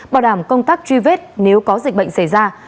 bảo đảm công tác truy vết nếu có dịch bệnh xảy ra